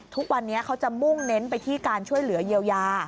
ทุกวันนี้เขาจะมุ่งเน้นไปที่การช่วยเหลือเยียวยา